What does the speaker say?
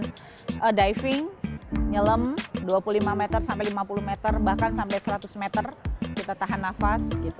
kita diving nyelem dua puluh lima meter sampai lima puluh meter bahkan sampai seratus meter kita tahan nafas